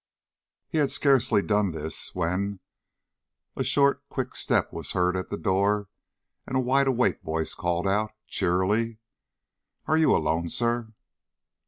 He had scarcely done this, when a short, quick step was heard at the door, and a wide awake voice called out, cheerily: "Are you alone, sir?"